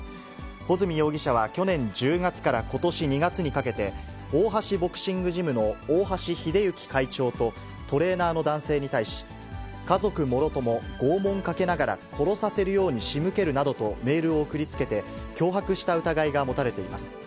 保住容疑者は去年１０月からことし２月にかけて、大橋ボクシングジムの大橋秀行会長と、トレーナーの男性に対し、家族もろとも拷問かけながら殺させるようにしむけるなどとメールを送りつけて、脅迫した疑いが持たれています。